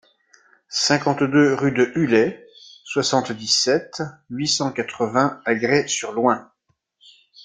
cinquante-deux rue de Hulay, soixante-dix-sept, huit cent quatre-vingts à Grez-sur-Loing